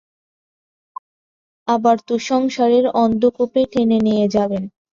আবার তো সংসারের অন্ধকূপে টেনে নিয়ে যাবেন।